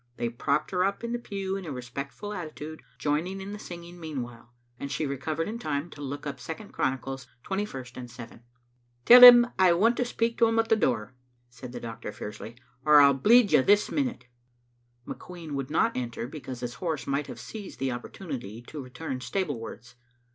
They propped her up in the pew in a respectful attitude, join ing in the singing meanwhile, and she recovered in time to look up 2nd Chronicles, 21st and 7 th. "Tell him I want to speak to him at the door," said the doctor fiercely, "or I'll bleed you this minute." McQueen would not enter, because his horse might have seized the opportunity to return stablewards.